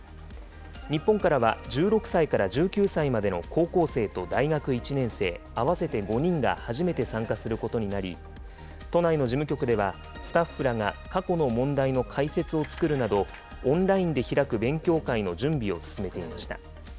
日本からは１６歳から１９歳までの高校生と大学１年生、合わせて５人が初めて参加することになり、都内の事務局では、スタッフらが過去の問題の解説を作るなど、オンラインで開く勉強会の準備を進めていました。